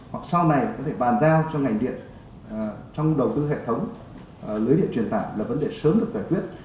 hoặc sau này có thể bàn giao cho ngành điện trong đầu tư hệ thống lưới điện truyền tải là vấn đề sớm được giải quyết